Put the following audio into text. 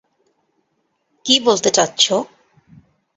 কি বলতে চাচ্ছো।